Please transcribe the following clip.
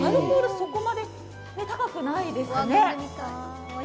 そこまで高くないですね。